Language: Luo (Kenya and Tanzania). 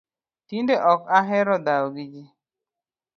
Tinde ok ahero dhao gi jii